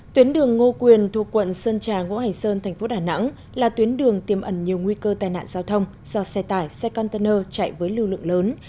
tuyến đường ngô quyền thuộc quận sơn trà ngỗ hành sơn thành phố đà nẵng là tuyến đường tiêm ẩn nhiều nguy cơ tai nạn giao thông do xe tải xe container chạy với lưu lượng lớn